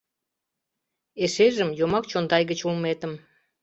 — Эшежым йомак чондай гыч улметым...